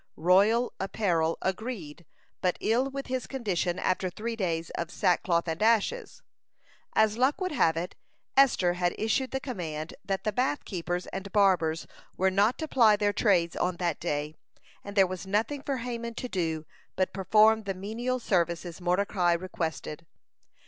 Royal apparel agreed but ill with his condition after three days of sackcloth and ashes. As luck would have it, Esther had issued the command that the bathkeepers and barbers were not to ply their trades on that day, and there was nothing for Haman to do but perform the menial services Mordecai required.